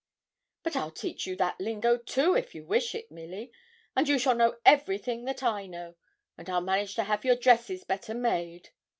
'But I'll teach you that lingo too, if you wish it, Milly; and you shall know everything that I know; and I'll manage to have your dresses better made.'